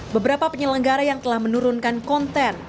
beberapa penyelenggara yang telah menurunkan konten